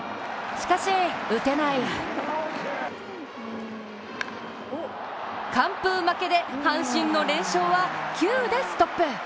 しかし、打てない完封負けで阪神の連勝は９でストップ。